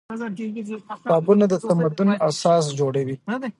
کتابونه د تمدن اساس جوړوي.